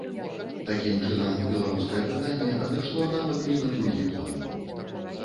Такім чынам, беларускае пытанне адышло нават не на другі план.